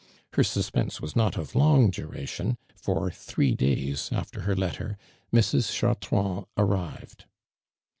Her sus l)ense was not of long duration, lor three days after her letter, Mi s. Chartrand arrived.